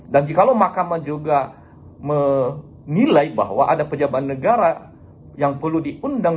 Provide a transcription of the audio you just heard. dan jika mahkamah juga menilai bahwa ada pejabat negara yang perlu diundang